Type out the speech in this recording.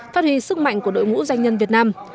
phát huy sức mạnh của đội ngũ doanh nhân việt nam